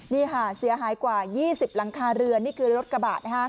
นี่ค่ะเสียหายกว่า๒๐หลังคาเรือนนี่คือรถกระบะ